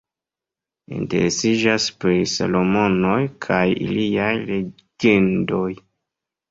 Interesiĝas pri Salomonoj kaj iliaj legendoj.